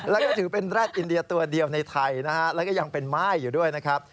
และถือเป็นแรดอินเดียตัวเดียวในไทยและยังเป็นไม้อยู่ด้วยนะครับ